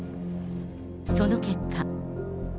その結果。